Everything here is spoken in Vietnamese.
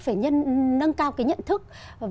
phải nâng cao cái nhận thức